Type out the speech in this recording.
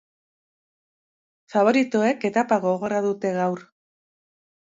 Faboritoek etapa gogorra dute gaur.